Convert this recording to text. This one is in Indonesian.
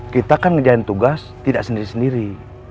kita kan ngejalanin tugas tidak sendiri sendiri